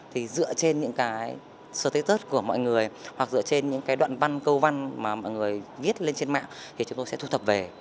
thì dựa trên những cái status của mọi người hoặc dựa trên những cái đoạn văn câu văn mà mọi người viết lên trên mạng thì chúng tôi sẽ thu thập về